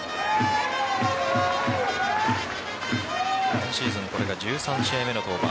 今シーズンこれが１３試合目の登板